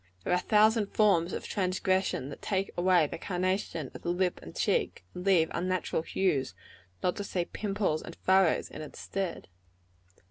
There are a thousand forms of transgression that take away the carnation of the lip and cheek, and leave unnatural hues, not to say pimples and furrows, in its stead.